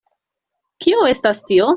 Kio estas tio?